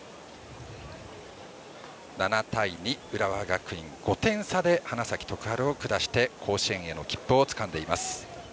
７対２、浦和学院、５点差で花咲徳栄を下して甲子園への切符をつかんでいます。